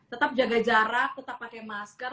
tetap jaga jarak tetap pakai masker